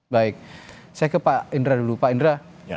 baik saya ke pak indra dulu pak indra